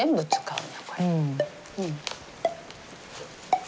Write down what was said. うん。